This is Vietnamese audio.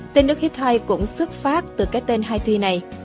tên đất hittite cũng xuất phát từ cái tên hittite này